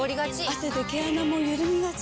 汗で毛穴もゆるみがち。